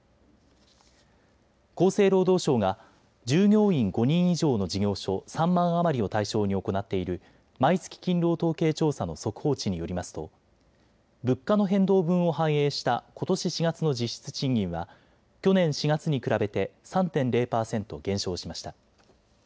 厚生労働省が従業員５人以上の事業所３万余りを対象に行っている毎月勤労統計調査の速報値によりますと物価の変動分を反映したことし４月の実質賃金は去年４月に比べて３．０％減少しました。